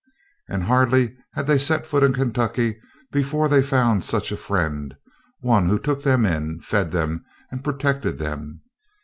And hardly had they set foot in Kentucky before they found such a friend, one who took them in, fed them, and protected them.